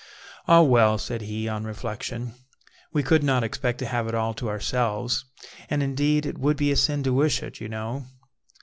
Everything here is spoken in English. "Ah, well," said he, on reflection, "we could not expect to have it all to ourselves, and indeed it would be a sin to wish it, you know.